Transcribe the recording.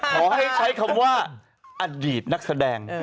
ขอให้ใช้คำว่าอดีตนักแสดง